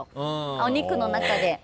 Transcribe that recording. お肉の中で。